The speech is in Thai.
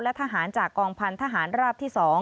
และทหารจากกองพันธหารราบที่๒